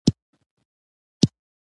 ترموز له فولادو یا پلاستیک څخه جوړېږي.